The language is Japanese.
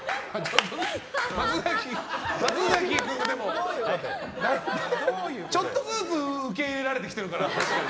松崎君、ちょっとずつ受け入れられてきているから。